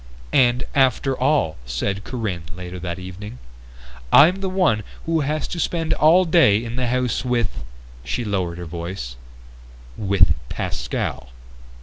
"And after all," said Corinne later that evening, "I'm the one who has to spend all day in the house with ..." She lowered her voice: "With Pascal."